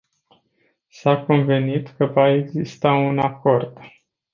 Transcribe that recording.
S-a convenit că va exista un acord.